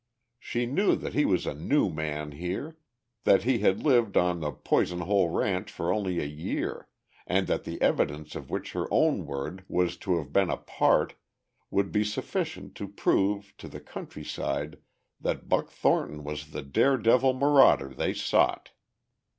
She knew that he was a new man here, that he had lived on the Poison Hole ranch for only a year and that the evidence of which her own word was to have been a part, would be sufficient to prove to the countryside that Buck Thornton was the daredevil marauder they sought.